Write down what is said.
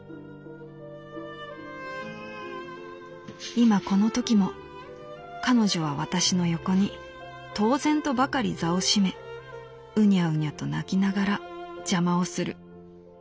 「今このときも彼女は私の横に当然とばかり座を占めうにゃうにゃと鳴きながら邪魔をする。